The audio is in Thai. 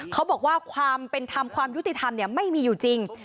เขาบอกว่าความเป็นธรรมความยุติธรรมไม่มีอยู่จริง